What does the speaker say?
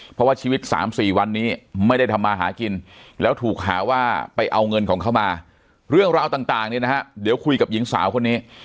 เพราะว่าชีวิต๓๔วันนี้ไม่ได้ทำมาหากินแล้วถูกหาว่าไปเอาเงินของเขามาเรื่องราวต่างเนี่ยนะฮะเดี๋ยวคุยกับหญิงสาวคนนี้